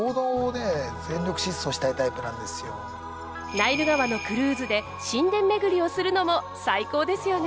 ナイル川のクルーズで神殿巡りをするのも最高ですよね。